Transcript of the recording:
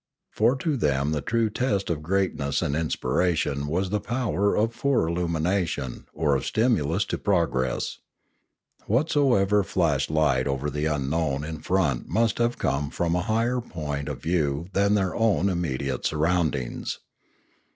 For to them the true test of greatness and inspiration was the power of fore illumination or of stimulus to progress. Whatsoever flashed light over the unknowu in front must have come from a higher point of view than their own immediate surroundings.